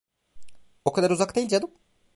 O kadar uzak değil canım…